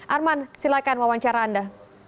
arman silakan wawancara anda